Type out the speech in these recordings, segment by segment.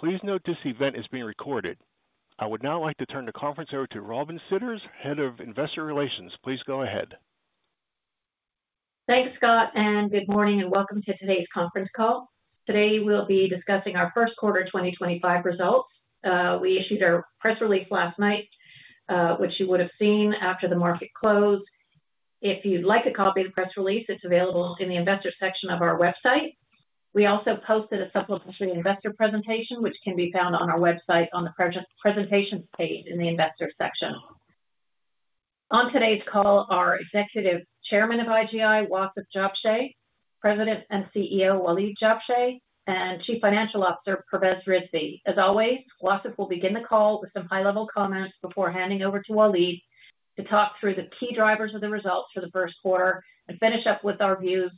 Please note this event is being recorded. I would now like to turn the conference over to Robin Sidders, Head of Investor Relations. Please go ahead. Thanks, Scott, and good morning and welcome to today's conference call. Today we'll be discussing our first quarter 2025 results. We issued our press release last night, which you would have seen after the market closed. If you'd like a copy of the press release, it's available in the investor section of our website. We also posted a supplementary investor presentation, which can be found on our website on the presentations page in the investor section. On today's call are Executive Chairman of IGI, Wasef Jabsheh, President and CEO, Waleed Jabsheh, and Chief Financial Officer, Pervez Rizvi. As always, Wasef will begin the call with some high-level comments before handing over to Waleed to talk through the key drivers of the results for the first quarter and finish up with our views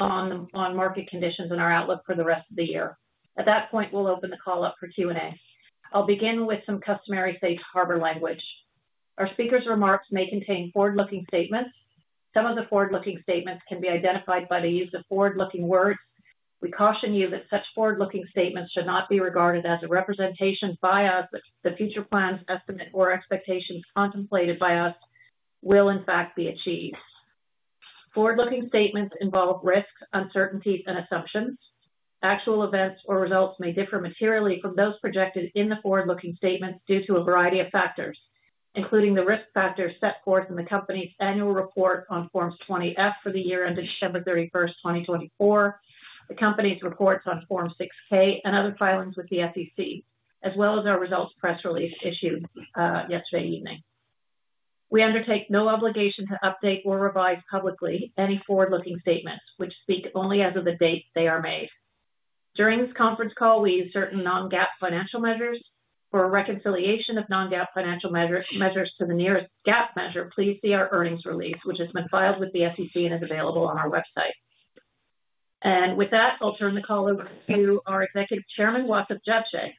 on market conditions and our outlook for the rest of the year. At that point, we'll open the call up for Q&A. I'll begin with some customary Safe Harbor Language. Our speakers' remarks may contain forward-looking statements. Some of the forward-looking statements can be identified by the use of forward-looking words. We caution you that such forward-looking statements should not be regarded as a representation by us that the future plans, estimates, or expectations contemplated by us will, in fact, be achieved. Forward-looking statements involve risks, uncertainties, and assumptions. Actual events or results may differ materially from those projected in the forward-looking statements due to a variety of factors, including the risk factors set forth in the company's annual report on Form 20-F for the year ended December 31, 2024, the company's Reports on Form 6-K and other filings with the SEC, as well as our results press release issued yesterday evening. We undertake no obligation to update or revise publicly any forward-looking statements, which speak only as of the date they are made. During this conference call, we use certain non-GAAP financial measures for reconciliation of non-GAAP financial measures to the nearest GAAP measure. Please see our earnings release, which has been filed with the SEC and is available on our website. With that, I'll turn the call over to our Executive Chairman, Wasef Jabsheh.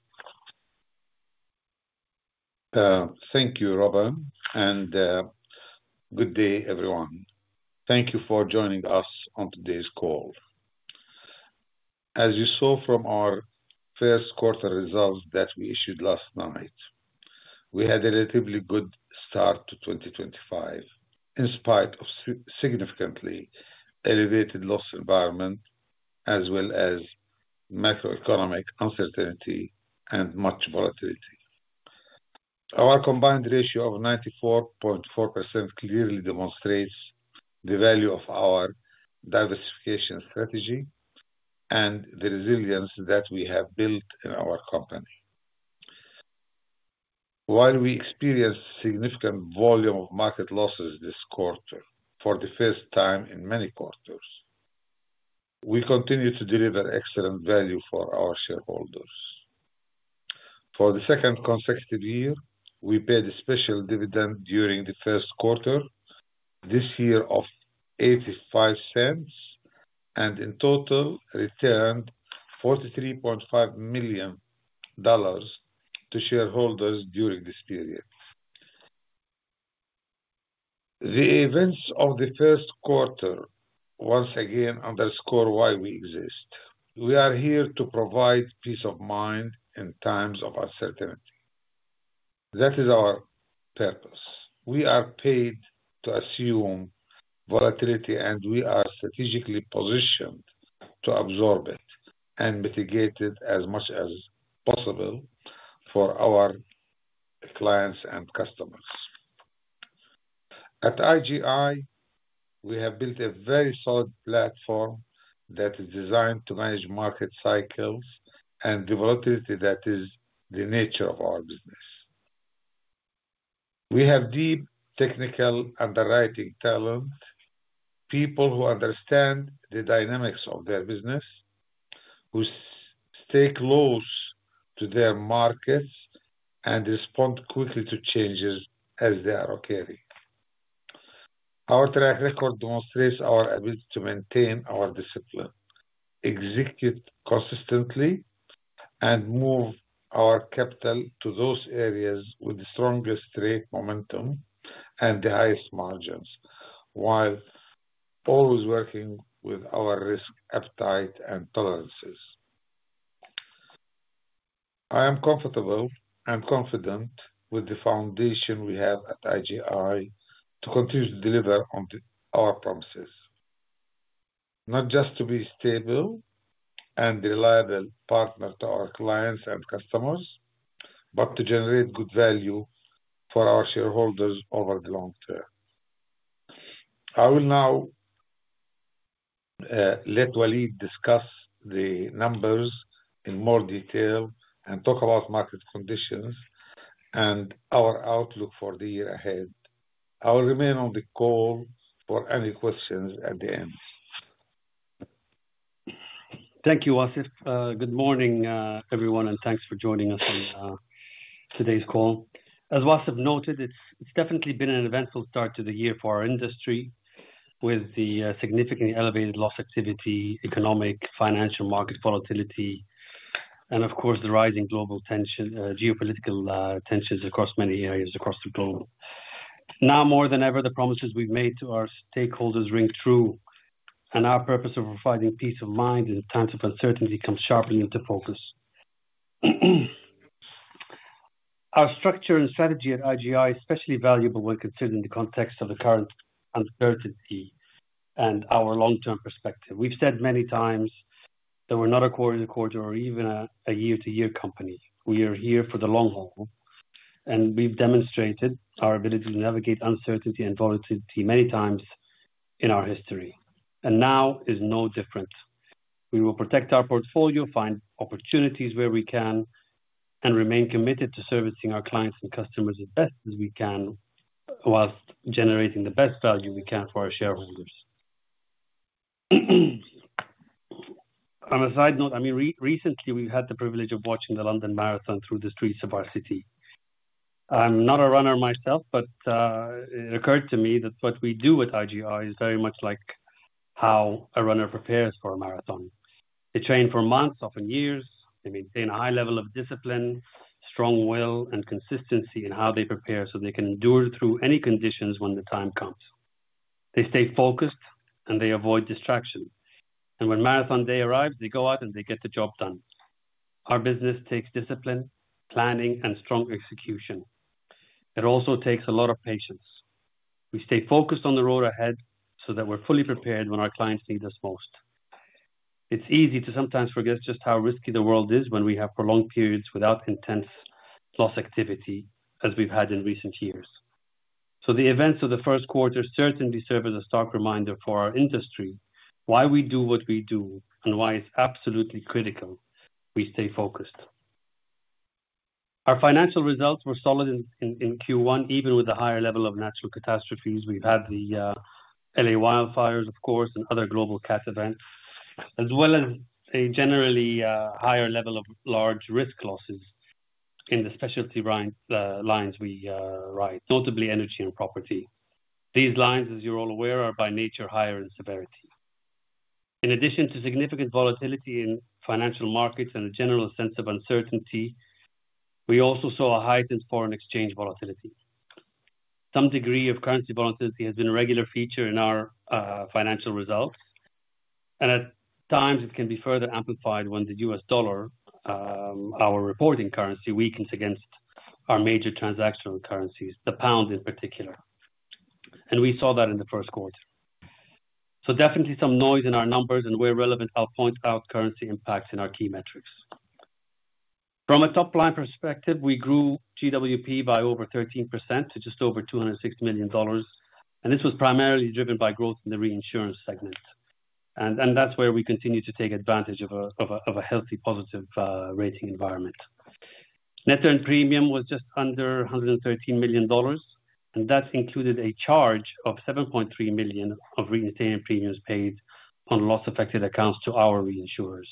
Thank you, Robin, and good day, everyone. Thank you for joining us on today's call. As you saw from our first quarter results that we issued last night, we had a relatively good start to 2025 in spite of significantly elevated loss environment, as well as macroeconomic uncertainty and much volatility. Our combined ratio of 94.4% clearly demonstrates the value of our diversification strategy and the resilience that we have built in our company. While we experienced a significant volume of market losses this quarter for the first time in many quarters, we continue to deliver excellent value for our shareholders. For the second consecutive year, we paid a special dividend during the first quarter, this year of $0.85, and in total returned $43.5 million to shareholders during this period. The events of the first quarter once again underscore why we exist. We are here to provide peace of mind in times of uncertainty. That is our purpose. We are paid to assume volatility, and we are strategically positioned to absorb it and mitigate it as much as possible for our clients and customers. At IGI, we have built a very solid platform that is designed to manage market cycles and the volatility that is the nature of our business. We have deep technical underwriting talent, people who understand the dynamics of their business, who stay close to their markets and respond quickly to changes as they are occurring. Our track record demonstrates our ability to maintain our discipline, execute consistently, and move our capital to those areas with the strongest rate momentum and the highest margins, while always working with our Risk Appetite and Tolerances. I am comfortable and confident with the foundation we have at IGI to continue to deliver on our promises, not just to be a stable and reliable partner to our clients and customers, but to generate good value for our shareholders over the long term. I will now let Waleed discuss the numbers in more detail and talk about market conditions and our outlook for the year ahead. I will remain on the call for any questions at the end. Thank you, Wasef. Good morning, everyone, and thanks for joining us on today's call. As Wasef noted, it's definitely been an eventful start to the year for our industry with the significantly elevated loss activity, economic, financial market volatility, and, of course, the rising global geopolitical tensions across many areas across the globe. Now more than ever, the promises we've made to our stakeholders ring true, and our purpose of providing peace of mind in times of uncertainty comes sharply into focus. Our structure and strategy at IGI are especially valuable when considering the context of the current uncertainty and our long-term perspective. We've said many times that we're not a quarter-to-quarter or even a year-to-year company. We are here for the long haul, and we've demonstrated our ability to navigate uncertainty and volatility many times in our history. Now is no different. We will protect our portfolio, find opportunities where we can, and remain committed to servicing our clients and customers as best as we can whilst generating the best value we can for our shareholders. On a side note, I mean, recently we've had the privilege of watching the London Marathon through the streets of our city. I'm not a runner myself, but it occurred to me that what we do with IGI is very much like how a runner prepares for a marathon. They train for months, often years. They maintain a high level of discipline, strong will, and consistency in how they prepare so they can endure through any conditions when the time comes. They stay focused, and they avoid distractions. When marathon day arrives, they go out and they get the job done. Our business takes discipline, planning, and strong execution. It also takes a lot of patience. We stay focused on the road ahead so that we're fully prepared when our clients need us most. It's easy to sometimes forget just how risky the world is when we have prolonged periods without intense loss activity as we've had in recent years. The events of the first quarter certainly serve as a stark reminder for our industry why we do what we do and why it's absolutely critical we stay focused. Our financial results were solid in Q1, even with a higher level of natural catastrophes. We've had the LA wildfires, of course, and other global CAT Events, as well as a generally higher level of large risk losses in the specialty lines we write, notably energy and property. These lines, as you're all aware, are by nature higher in severity. In addition to significant volatility in financial markets and a general sense of uncertainty, we also saw a heightened foreign exchange volatility. Some degree of currency volatility has been a regular feature in our financial results, and at times it can be further amplified when the US dollar, our reporting currency, weakens against our major transactional currencies, the pound in particular. We saw that in the first quarter. Definitely some noise in our numbers, and where relevant, I'll point out currency impacts in our key metrics. From a top-line perspective, we grew GWP by over 13% to just over $260 million, and this was primarily driven by growth in the reinsurance segment. That's where we continue to take advantage of a healthy, positive rating environment. Net earned premium was just under $113 million, and that included a charge of $7.3 million of reinstatement premiums paid on loss-affected accounts to our reinsurers.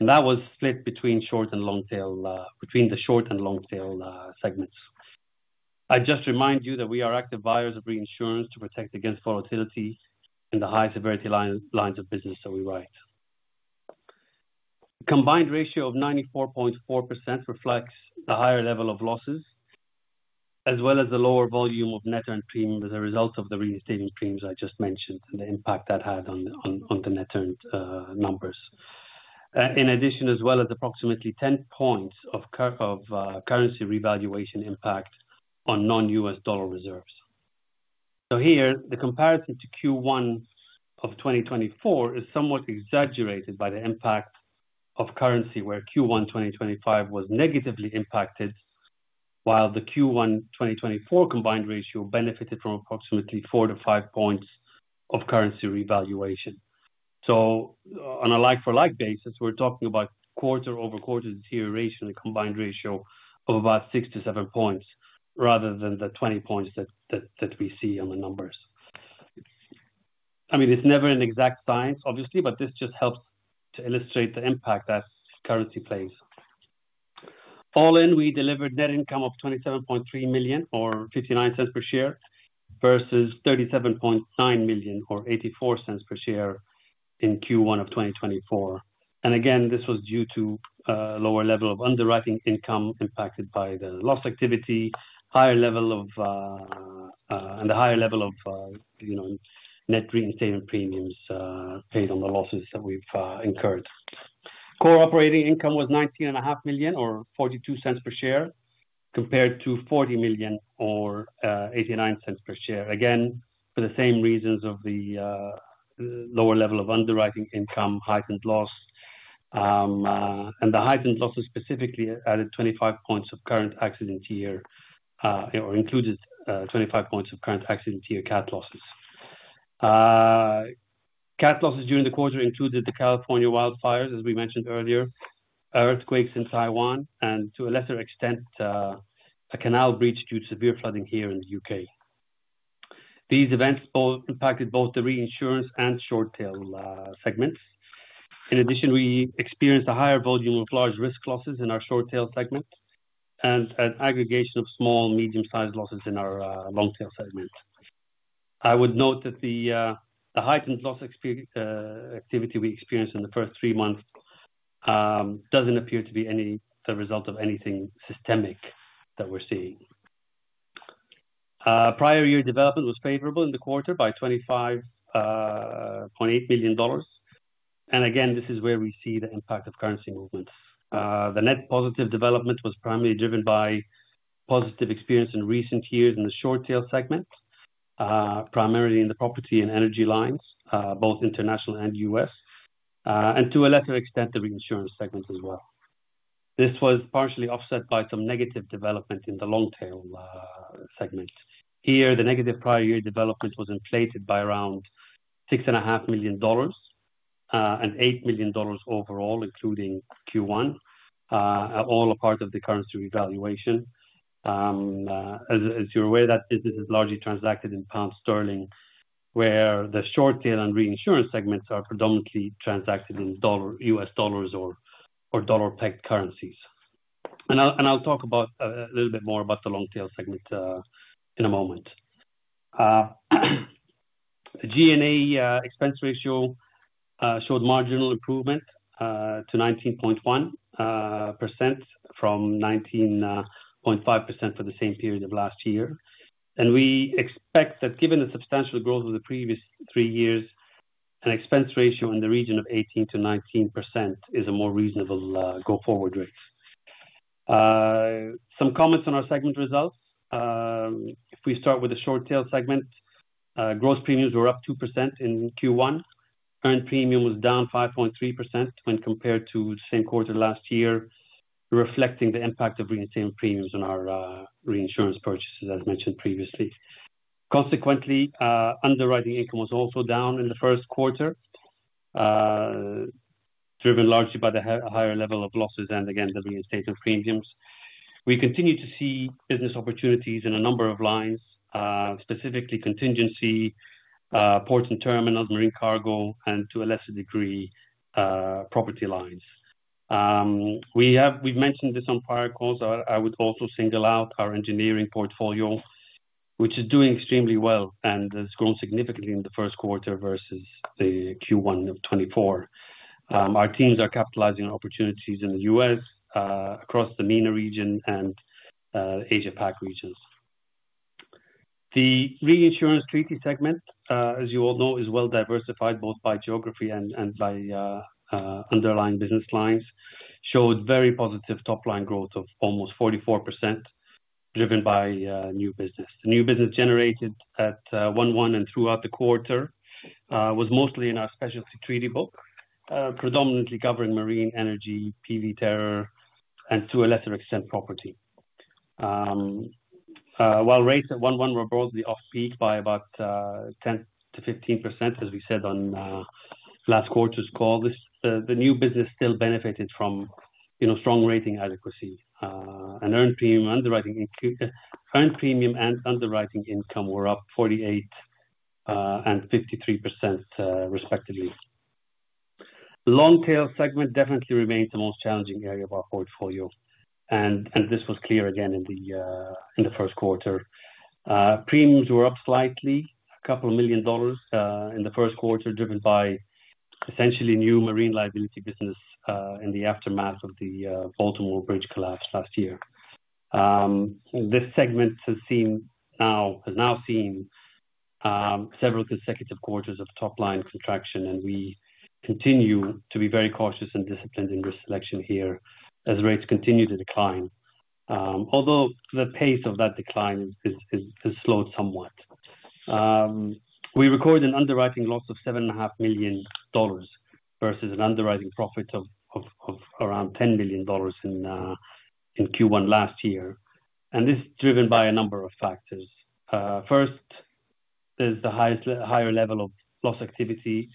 That was split between short and Long-Tail Segment, between the short and Long-Tail Segments. I just remind you that we are active buyers of reinsurance to protect against volatility in the high-severity lines of business that we write. The combined ratio of 94.4% reflects the higher level of losses, as well as the lower volume of net earned premiums as a result of the reinstatement premiums I just mentioned and the impact that had on the net earned numbers. In addition, as well as approximately 10 percentage points of currency revaluation impact on non-US dollar reserves. Here, the comparison to Q1 of 2024 is somewhat exaggerated by the impact of currency, where Q1 2025 was negatively impacted, while the Q1 2024 combined ratio benefited from approximately four to five points of currency revaluation. On a like-for-like basis, we're talking about quarter-over-quarter deterioration and a combined ratio of about six to seven points rather than the 20 points that we see on the numbers. I mean, it's never an exact science, obviously, but this just helps to illustrate the impact that currency plays. All in, we delivered net income of $27.3 million or $0.59 per share versus $37.9 million or $0.84 per share in Q1 of 2024. Again, this was due to a lower level of underwriting income impacted by the loss activity, higher level of, and the higher level of net reinstatement premiums paid on the losses that we've incurred. Core operating income was $19.5 million or $0.42 per share compared to $40 million or $0.89 per share. Again, for the same reasons of the lower level of underwriting income, heightened loss, and the heightened losses specifically added 25 points of current accident year or included 25 points of current accident year CAT Losses. CAT Losses during the quarter included the California wildfires, as we mentioned earlier, earthquakes in Taiwan, and to a lesser extent, a canal breach due to severe flooding here in the U.K. These events impacted both the reinsurance Short-Tail Segments. In addition, we experienced a higher volume of large risk losses in Short-Tail Segment and an aggregation of small, medium-sized losses in our Long-Tail Segment. I would note that the heightened loss activity we experienced in the first three months does not appear to be any result of anything systemic that we are seeing. Prior year development was favorable in the quarter by $25.8 million. This is where we see the impact of currency movements. The net positive development was primarily driven by positive experience in recent years in Short-Tail Segment, primarily in the property and energy lines, both international and US, and to a lesser extent, the reinsurance segment as well. This was partially offset by some negative development in the Long-Tail Segment. Here, the negative prior year development was inflated by around $6.5 million and $8 million overall, including Q1, all a part of the currency revaluation. As you are aware, that business is largely transacted in Pound Sterling, where the Short-Tail Segment and reinsurance segments are predominantly transacted in US dollars or dollar-pegged currencies. I will talk a little bit more about the Long-Tail Segment in a moment. The G&A expense ratio showed marginal improvement to 19.1% from 19.5% for the same period of last year. We expect that given the substantial growth of the previous three years, an expense ratio in the region of 18-19% is a more reasonable go-forward rate. Some comments on our segment results. If we start with Short-Tail Segment, gross premiums were up 2% in Q1. Earned premium was down 5.3% when compared to the same quarter last year, reflecting the impact of reinstatement premiums on our reinsurance purchases, as mentioned previously. Consequently, underwriting income was also down in the first quarter, driven largely by the higher level of losses and, again, the reinstatement premiums. We continue to see business opportunities in a number of lines, specifically contingency, port and terminal, Marine Cargo, and to a lesser degree, property lines. We've mentioned this on prior calls. I would also single out our engineering portfolio, which is doing extremely well and has grown significantly in the first quarter versus the Q1 of 2024. Our teams are capitalizing on opportunities in the US, across the MENA region, and Asia-Pac regions. The reinsurance treaty segment, as you all know, is well diversified both by geography and by underlying business lines, showed very positive top-line growth of almost 44%, driven by new business. The new business generated at 1.1 and throughout the quarter was mostly in our Specialty Treaty Book, predominantly covering marine, energy, PV terror, and to a lesser extent, property. While rates at 1.1 were broadly off-peak by about 10-15%, as we said on last quarter's call, the new business still benefited from strong rating adequacy. Earned premium and underwriting income were up 48% and 53%, respectively. Long-Tail Segment definitely remains the most challenging area of our portfolio, and this was clear again in the first quarter. Premiums were up slightly, a couple of million dollars in the first quarter, driven by essentially new marine liability business in the aftermath of the Baltimore Bridge collapse last year. This segment has now seen several consecutive quarters of top-line contraction, and we continue to be very cautious and disciplined in risk selection here as rates continue to decline, although the pace of that decline has slowed somewhat. We recorded an underwriting loss of $7.5 million versus an underwriting profit of around $10 million in Q1 last year. This is driven by a number of factors. First, there is the higher level of loss activity,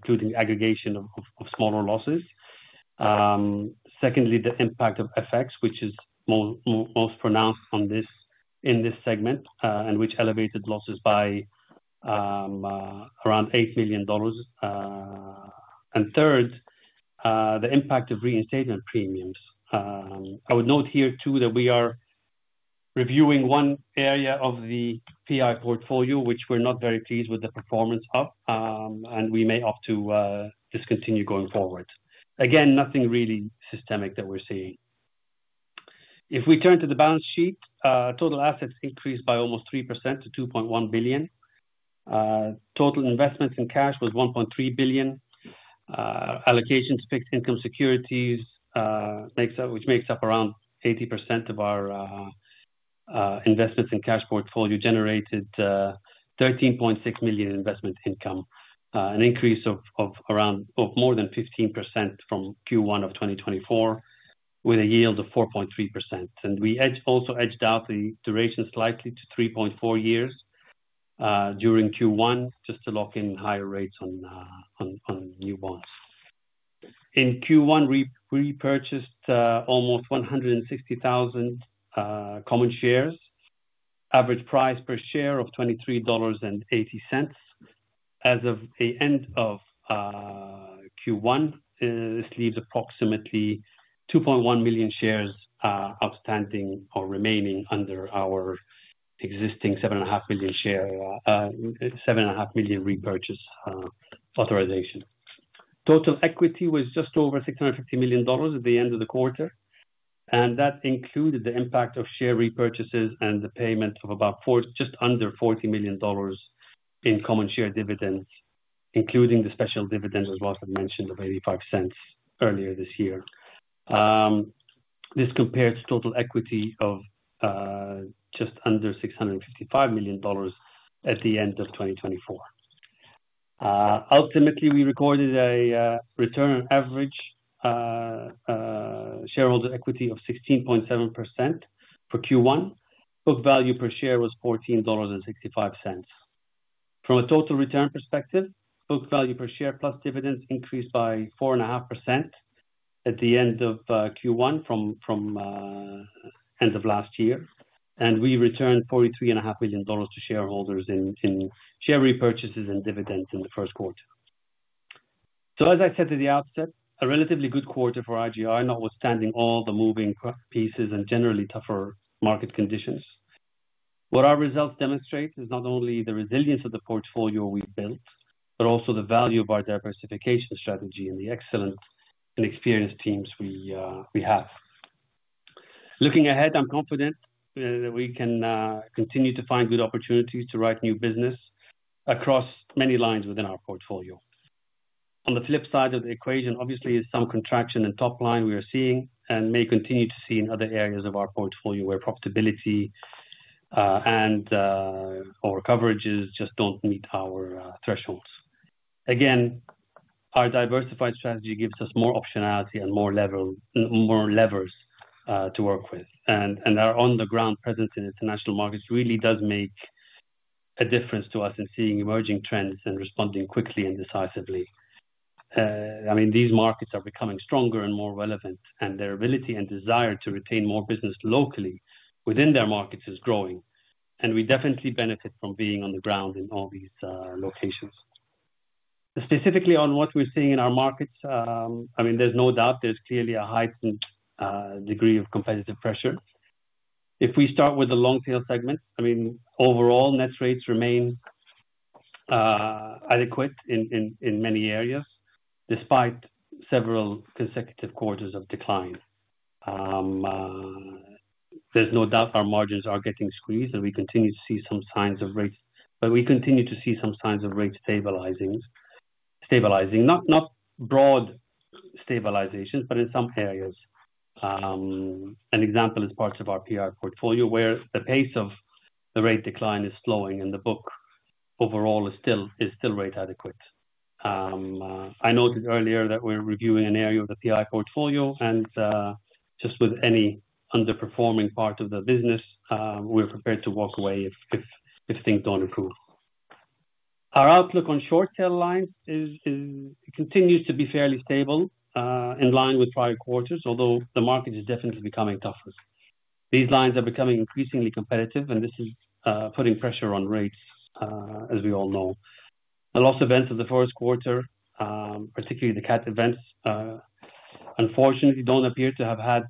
including aggregation of smaller losses. Secondly, the impact of FX, which is most pronounced in this segment and which elevated losses by around $8 million. Third, the impact of reinstatement premiums. I would note here, too, that we are reviewing one area of the PI portfolio, which we're not very pleased with the performance of, and we may opt to discontinue going forward. Again, nothing really systemic that we're seeing. If we turn to the balance sheet, total assets increased by almost 3% to $2.1 billion. Total investments and cash was $1.3 billion. Allocations to fixed income securities, which makes up around 80% of our investments and cash portfolio, generated $13.6 million in investment income, an increase of more than 15% from Q1 of 2024, with a yield of 4.3%. We also edged out the duration slightly to 3.4 years during Q1 just to lock in higher rates on new bonds. In Q1, we repurchased almost 160,000 common shares, average price per share of $23.80. As of the end of Q1, this leaves approximately 2.1 million shares outstanding or remaining under our existing 7.5 million repurchase authorization. Total equity was just over $650 million at the end of the quarter, and that included the impact of share repurchases and the payment of just under $40 million in common share dividends, including the special dividend, as Ross had mentioned, of $0.85 earlier this year. This compared to total equity of just under $655 million at the end of 2024. Ultimately, we recorded a return on average shareholder equity of 16.7% for Q1. Book value per share was $14.65. From a total return perspective, book value per share plus dividends increased by 4.5% at the end of Q1 from the end of last year, and we returned $43.5 million to shareholders in share repurchases and dividends in the first quarter. As I said at the outset, a relatively good quarter for IGI, notwithstanding all the moving pieces and generally tougher market conditions. What our results demonstrate is not only the resilience of the portfolio we built, but also the value of our diversification strategy and the excellent and experienced teams we have. Looking ahead, I'm confident that we can continue to find good opportunities to write new business across many lines within our portfolio. On the flip side of the equation, obviously, is some contraction in top line we are seeing and may continue to see in other areas of our portfolio where profitability or coverages just don't meet our thresholds. Again, our diversified strategy gives us more optionality and more levers to work with. Our on-the-ground presence in international markets really does make a difference to us in seeing emerging trends and responding quickly and decisively. I mean, these markets are becoming stronger and more relevant, and their ability and desire to retain more business locally within their markets is growing. We definitely benefit from being on the ground in all these locations. Specifically on what we're seeing in our markets, I mean, there's no doubt there's clearly a heightened degree of competitive pressure. If we start with the Long-Tail Segment, I mean, overall, net rates remain adequate in many areas despite several consecutive quarters of decline. There's no doubt our margins are getting squeezed, and we continue to see some signs of rates, but we continue to see some signs of rate stabilizing. Not broad stabilizations, but in some areas. An example is parts of our PI portfolio where the pace of the rate decline is slowing, and the book overall is still rate adequate. I noted earlier that we're reviewing an area of the PI portfolio, and just with any underperforming part of the business, we're prepared to walk away if things don't improve. Our outlook on Short-Tail Segment lines continues to be fairly stable in line with prior quarters, although the market is definitely becoming tougher. These lines are becoming increasingly competitive, and this is putting pressure on rates, as we all know. The loss events of the first quarter, particularly the CAT Events, unfortunately, don't appear to have had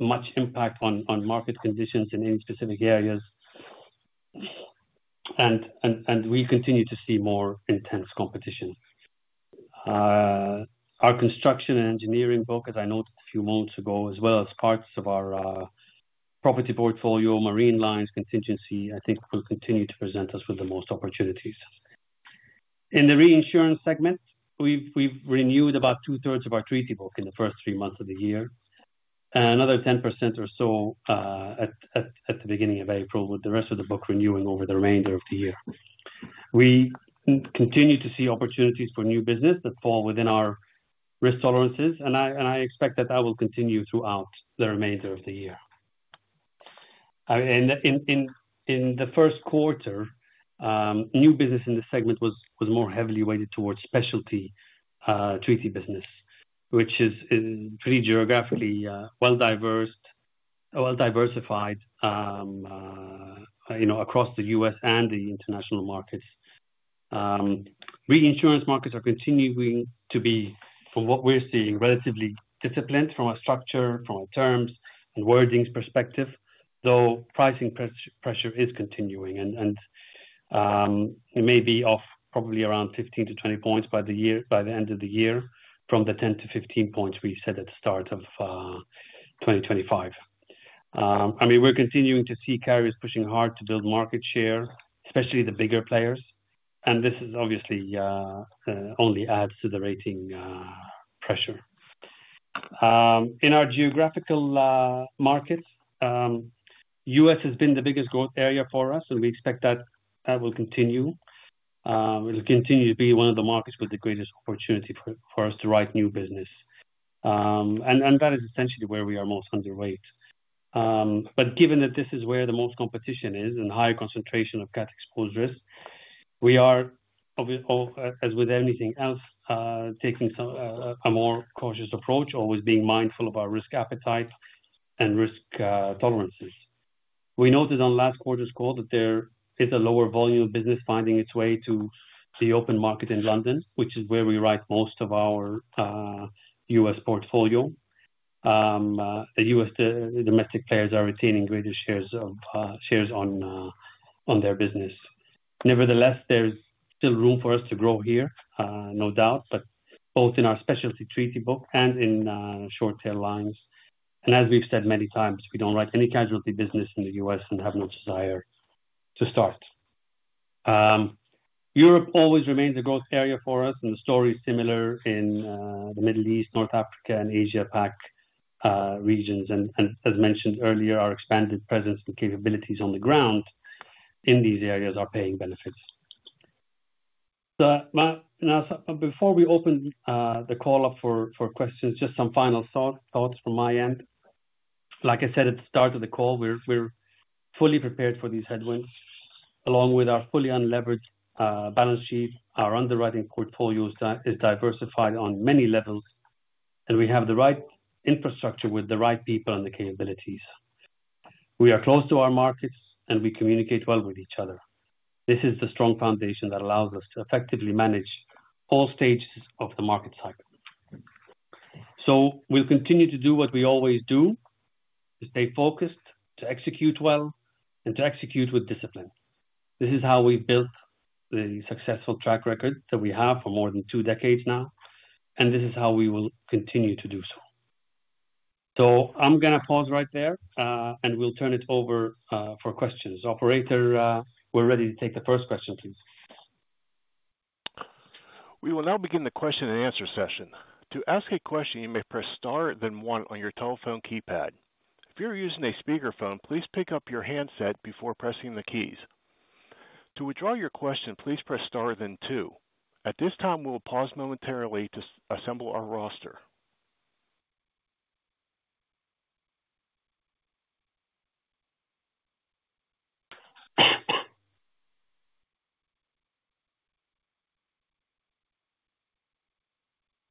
much impact on market conditions in any specific areas, and we continue to see more intense competition. Our construction and engineering book, as I noted a few moments ago, as well as parts of our property portfolio, marine lines, contingency, I think will continue to present us with the most opportunities. In the reinsurance segment, we've renewed about two-thirds of our treaty book in the first three months of the year, and another 10% or so at the beginning of April, with the rest of the book renewing over the remainder of the year. We continue to see opportunities for new business that fall within our risk tolerances, and I expect that that will continue throughout the remainder of the year. In the first quarter, new business in the segment was more heavily weighted towards specialty treaty business, which is pretty geographically well-diversified across the US and the international markets. Reinsurance markets are continuing to be, from what we're seeing, relatively disciplined from a structure, from a terms and wordings perspective, though pricing pressure is continuing, and maybe off probably around 15-20 percentage points by the end of the year from the 10-15 percentage points we said at the start of 2025. I mean, we're continuing to see carriers pushing hard to build market share, especially the bigger players, and this obviously only adds to the rating pressure. In our geographical markets, US has been the biggest growth area for us, and we expect that that will continue. It'll continue to be one of the markets with the greatest opportunity for us to write new business. That is essentially where we are most underweight. Given that this is where the most competition is and higher concentration of cat exposures, we are, as with anything else, taking a more cautious approach, always being mindful of our risk appetite and risk tolerances. We noted on last quarter's call that there is a lower volume of business finding its way to the open market in London, which is where we write most of our US portfolio. The US domestic players are retaining greater shares on their business. Nevertheless, there is still room for us to grow here, no doubt, both in our Specialty Treaty Book and in Short-Tail Segment lines. As we have said many times, we do not write any casualty business in the US and have no desire to start. Europe always remains a growth area for us, and the story is similar in the Middle East, North Africa, and Asia-Pac regions. As mentioned earlier, our expanded presence and capabilities on the ground in these areas are paying benefits. Now, before we open the call up for questions, just some final thoughts from my end. Like I said at the start of the call, we're fully prepared for these headwinds, along with our fully unleveraged balance sheet. Our underwriting portfolio is diversified on many levels, and we have the right infrastructure with the right people and the capabilities. We are close to our markets, and we communicate well with each other. This is the strong foundation that allows us to effectively manage all stages of the market cycle. We will continue to do what we always do: to stay focused, to execute well, and to execute with discipline. This is how we've built the successful track record that we have for more than two decades now, and this is how we will continue to do so. I'm going to pause right there, and we'll turn it over for questions. Operator, we're ready to take the first question, please. We will now begin the question and answer session. To ask a question, you may press Star then one on your telephone keypad. If you're using a speakerphone, please pick up your handset before pressing the keys. To withdraw your question, please press Star then two. At this time, we'll pause momentarily to assemble our roster.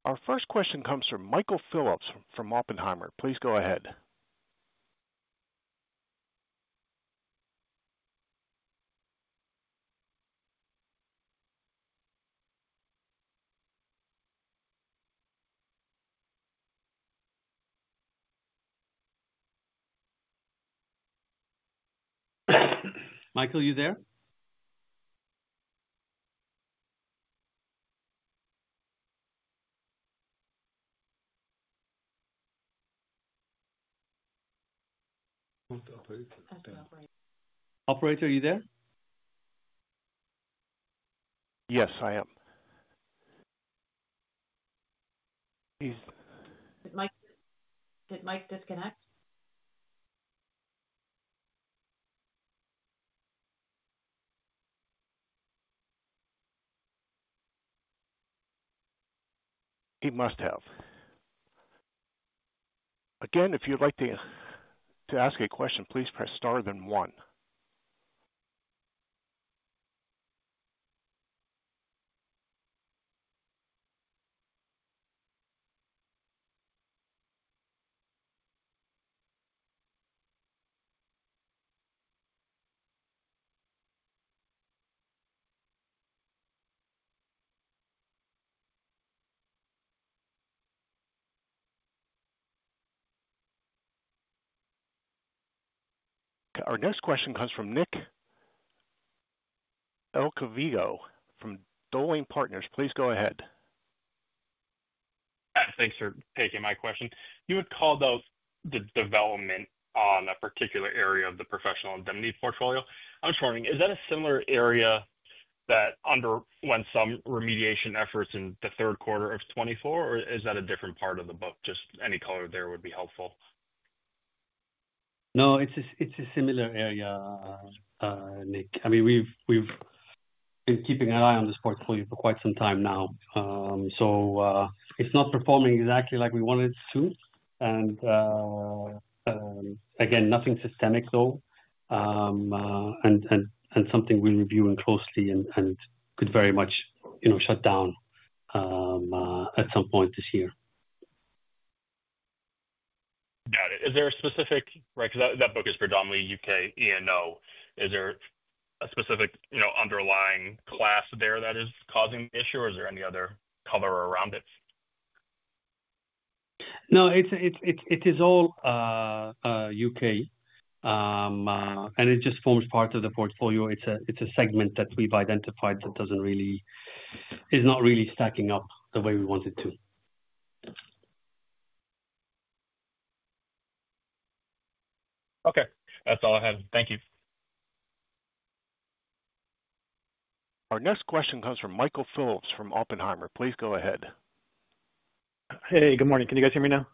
Our first question comes from Michael Phillips from Oppenheimer. Please go ahead. Michael, are you there? Operator, are you there? Yes, I am. He's... Did Mike disconnect? He must have. Again, if you'd like to ask a question, please press Star then one. Our next question comes from Nick Elkovich from Dowling & Partners. Please go ahead. Thanks for taking my question. You had called out the development on a particular area of the professional indemnity portfolio. I'm just wondering, is that a similar area that underwent some remediation efforts in the third quarter of 2024, or is that a different part of the book? Just any color there would be helpful. No, it's a similar area, Nick. I mean, we've been keeping an eye on this portfolio for quite some time now. It's not performing exactly like we wanted it to. Again, nothing systemic, though, and something we're reviewing closely and could very much shut down at some point this year. Got it. Is there a specific... Right, because that book is predominantly U.K., E&O. Is there a specific underlying class there that is causing the issue, or is there any other color around it? No, it is all U.K., and it just forms part of the portfolio. It's a segment that we've identified that is not really stacking up the way we want it to. Okay. That's all I had. Thank you. Our next question comes from Michael Phillips from Oppenheimer. Please go ahead. Hey, good morning. Can you guys hear me now?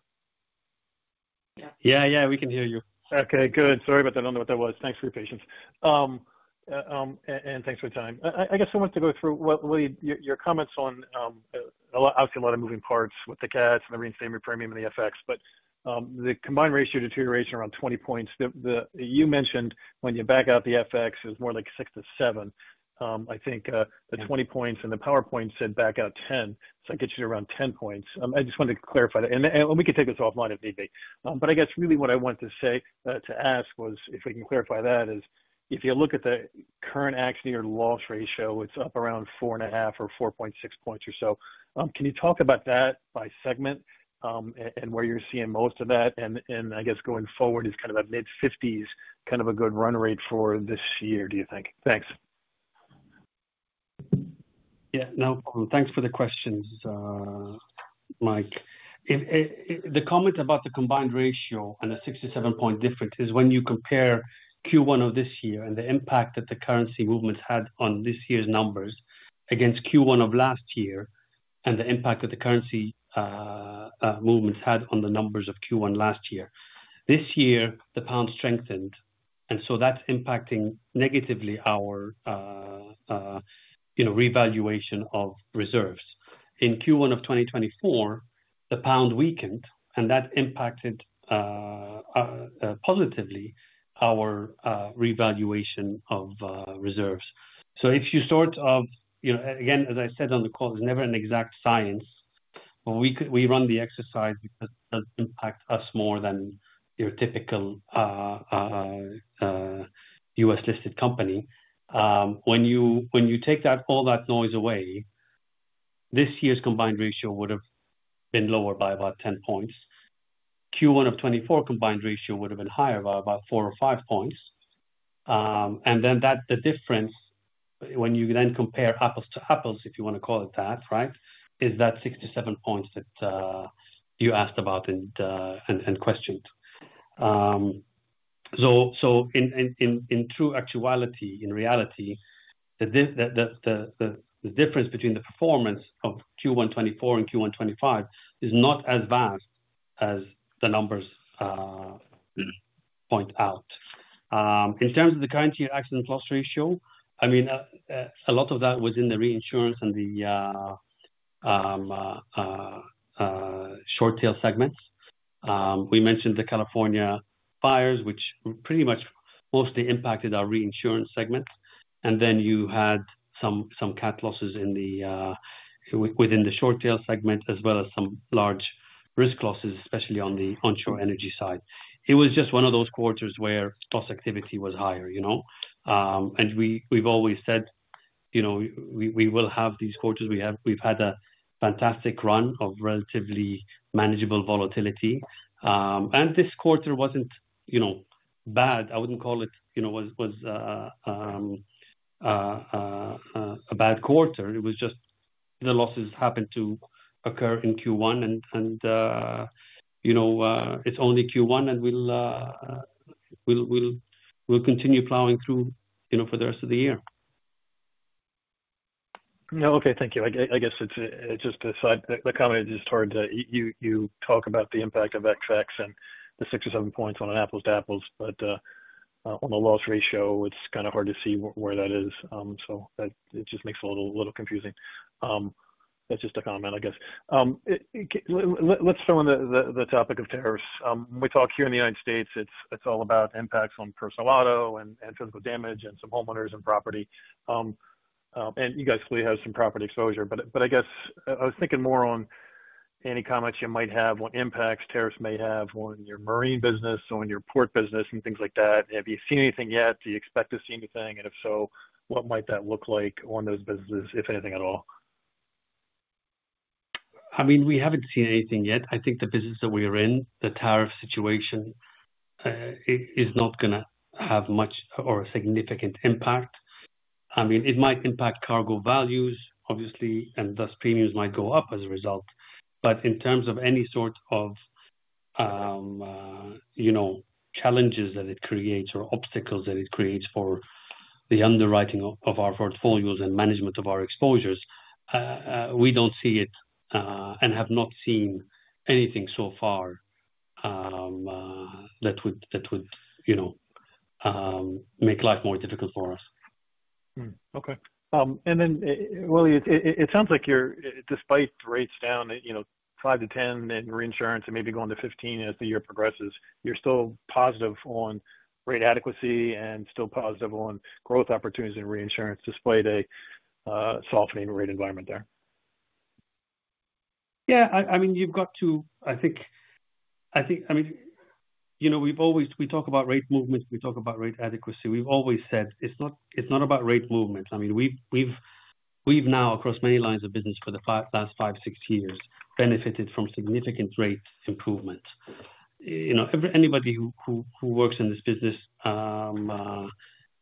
Yeah, yeah, we can hear you. Okay, good. Sorry about that. I don't know what that was. Thanks for your patience. And thanks for your time. I guess I wanted to go through your comments on... Obviously, a lot of moving parts with the cats and the reinstatement premium and the FX, but the combined ratio deterioration around 20 points that you mentioned when you back out the FX is more like 6-7. I think the 20 points and the PowerPoint said back out 10. So that gets you to around 10 points. I just wanted to clarify that. We can take this offline if need be. I guess really what I wanted to ask was if we can clarify that is if you look at the current accident year loss ratio, it's up around 4.5 or 4.6 points or so. Can you talk about that by segment and where you're seeing most of that? I guess going forward is kind of a mid-50s, kind of a good run rate for this year, do you think? Thanks. Yeah, no problem. Thanks for the questions, Mike. The comment about the combined ratio and the 6-7 point difference is when you compare Q1 of this year and the impact that the currency movements had on this year's numbers against Q1 of last year and the impact that the currency movements had on the numbers of Q1 last year. This year, the pound strengthened, and so that's impacting negatively our revaluation of reserves. In Q1 of 2024, the pound weakened, and that impacted positively our revaluation of reserves. If you sort of... Again, as I said on the call, there's never an exact science. We run the exercise because it does impact us more than your typical U.S.-listed company. When you take all that noise away, this year's combined ratio would have been lower by about 10 points. Q1 of 2024 combined ratio would have been higher by about 4 or 5 points. That is the difference when you then compare apples to apples, if you want to call it that, right? Is that 6-7 points that you asked about and questioned. In true actuality, in reality, the difference between the performance of Q1 2024 and Q1 2025 is not as vast as the numbers point out. In terms of the current year exit and plus ratio, I mean, a lot of that was in the reinsurance and Short-Tail Segments. We mentioned the California fires, which pretty much mostly impacted our reinsurance segment. You had some CAT Losses within Short-Tail Segment as well as some large risk losses, especially on the onshore energy side. It was just one of those quarters where plus activity was higher. We have always said we will have these quarters. We have had a fantastic run of relatively manageable volatility. This quarter was not bad. I would not call it a bad quarter. The losses happened to occur in Q1, and it is only Q1, and we will continue plowing through for the rest of the year. No, okay. Thank you. I guess the comment is just hard. You talk about the impact of XX and the 6 or 7 points on an apples-to-apples, but on the loss ratio, it is kind of hard to see where that is. It just makes it a little confusing. That is just a comment, I guess. Let us throw in the topic of tariffs. When we talk here in the U.S., it is all about impacts on personal auto and physical damage and some homeowners and property. You guys clearly have some property exposure, but I guess I was thinking more on any comments you might have on impacts tariffs may have on your marine business, on your port business, and things like that. Have you seen anything yet? Do you expect to see anything? If so, what might that look like on those businesses, if anything at all? I mean, we have not seen anything yet. I think the business that we are in, the tariff situation is not going to have much or a significant impact. I mean, it might impact cargo values, obviously, and thus premiums might go up as a result. In terms of any sort of challenges that it creates or obstacles that it creates for the underwriting of our portfolios and management of our exposures, we do not see it and have not seen anything so far that would make life more difficult for us. Okay. It sounds like despite rates down, 5%-10% in reinsurance and maybe going to 15% as the year progresses, you are still positive on rate adequacy and still positive on growth opportunities in reinsurance despite a softening rate environment there. Yeah. I mean, you have got to, I think, I mean, we talk about rate movements. We talk about rate adequacy. We have always said it is not about rate movements. I mean, we have now, across many lines of business for the last five, six years, benefited from significant rate improvements. Anybody who works in this business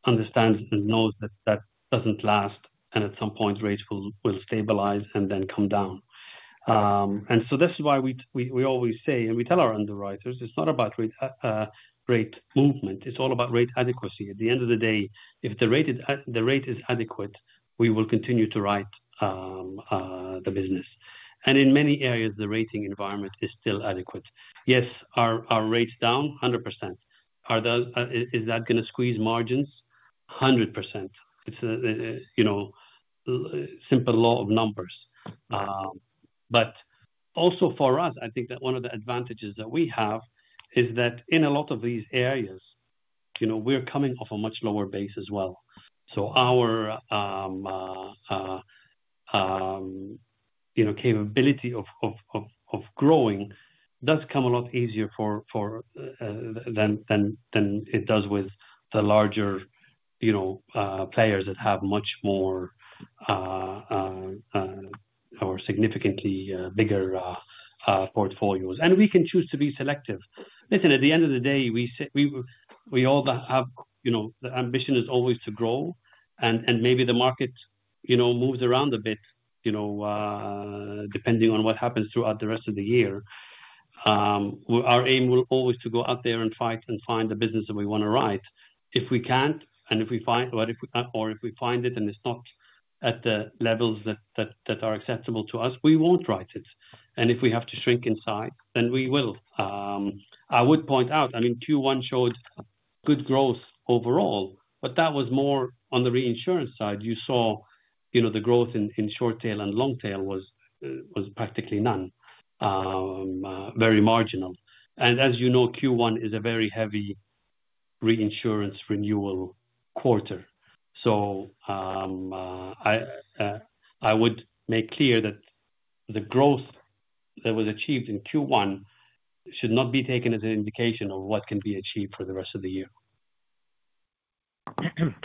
understands and knows that that does not last, and at some point, rates will stabilize and then come down. This is why we always say, and we tell our underwriters, it is not about rate movement. It is all about rate adequacy. At the end of the day, if the rate is adequate, we will continue to write the business. In many areas, the rating environment is still adequate. Yes, our rate is down 100%. Is that going to squeeze margins? 100%. It is a simple law of numbers. Also for us, I think that one of the advantages that we have is that in a lot of these areas, we are coming off a much lower base as well. Our capability of growing does come a lot easier than it does with the larger players that have much more or significantly bigger portfolios. We can choose to be selective. Listen, at the end of the day, we all have the ambition is always to grow, and maybe the market moves around a bit depending on what happens throughout the rest of the year. Our aim will always be to go out there and fight and find the business that we want to write. If we cannot and if we find, or if we find it and it is not at the levels that are acceptable to us, we will not write it. If we have to shrink inside, then we will. I would point out, I mean, Q1 showed good growth overall, but that was more on the reinsurance side. You saw the growth in Short-Tail Segment and Long-Tail Segment was practically none, very marginal. As you know, Q1 is a very heavy reinsurance renewal quarter. I would make clear that the growth that was achieved in Q1 should not be taken as an indication of what can be achieved for the rest of the year.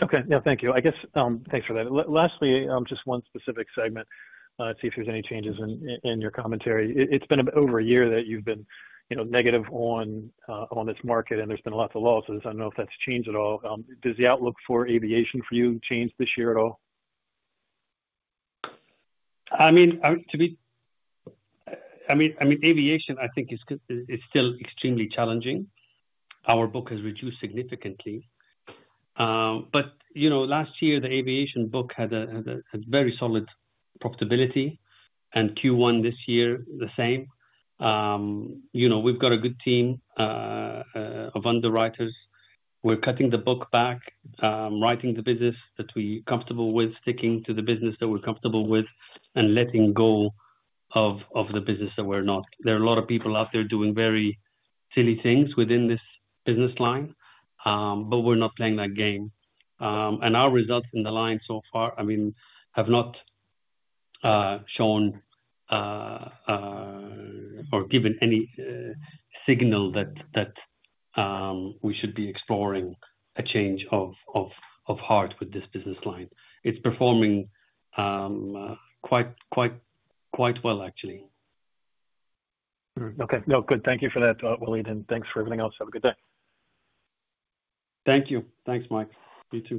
Okay. Yeah, thank you. I guess thanks for that. Lastly, just one specific segment. Let's see if there's any changes in your commentary. It's been over a year that you've been negative on this market, and there's been lots of losses. I don't know if that's changed at all. Does the outlook for aviation for you change this year at all? I mean, aviation, I think, is still extremely challenging. Our book has reduced significantly. Last year, the aviation book had a very solid profitability, and Q1 this year, the same. We've got a good team of underwriters. We're cutting the book back, writing the business that we're comfortable with, sticking to the business that we're comfortable with, and letting go of the business that we're not. There are a lot of people out there doing very silly things within this business line, but we're not playing that game. Our results in the line so far, I mean, have not shown or given any signal that we should be exploring a change of heart with this business line. It's performing quite well, actually. Okay. No, good. Thank you for that, Waleed, and thanks for everything else. Have a good day. Thank you. Thanks, Mike. You too.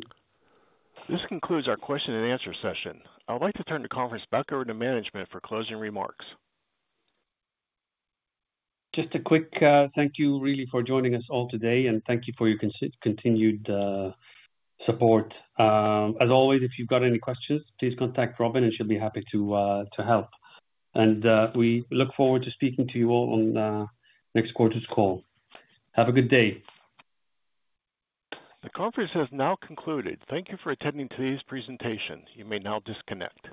This concludes our question and answer session. I'd like to turn the conference back over to management for closing remarks. Just a quick thank you, really, for joining us all today, and thank you for your continued support. As always, if you've got any questions, please contact Robin, and she'll be happy to help. We look forward to speaking to you all on next quarter's call. Have a good day. The conference has now concluded. Thank you for attending today's presentation. You may now disconnect.